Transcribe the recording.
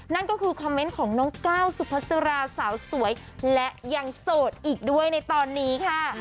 นั่นก็คือคอมเมนต์ของน้องก้าวสุพัสราสาวสวยและยังโสดอีกด้วยในตอนนี้ค่ะ